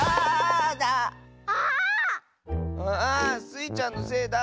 スイちゃんのせいだ！